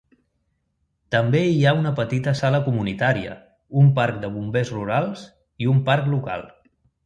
També hi ha una petita sala comunitària, un parc de bombers rurals i un parc local.